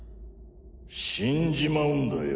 死んじまうんだよ